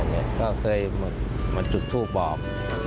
นี่ก็เคยมาจุดทูกบอก